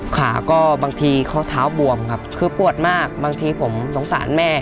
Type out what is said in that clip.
ขาก็บางทีเขาเท้าบวมครับคือปวดมากบางทีผมสงสารแม่